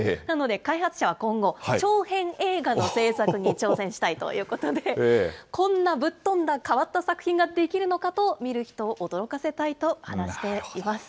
なので開発者は今後、長編映画の製作に挑戦したいということで、こんなぶっとんだ変わった作品が出来るのかと見る人を驚かせたいと話しています。